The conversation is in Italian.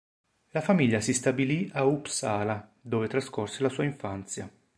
La famiglia si stabilì a Uppsala, dove trascorse la sua infanzia.